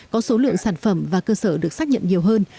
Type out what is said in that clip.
có số lượng sản phẩm và cơ sở được xác nhận nhiều hơn